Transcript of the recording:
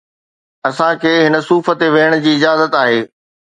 اسان کي هن صوف تي ويهڻ جي اجازت آهي